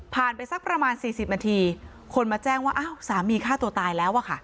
ไปสักประมาณ๔๐นาทีคนมาแจ้งว่าอ้าวสามีฆ่าตัวตายแล้วอะค่ะ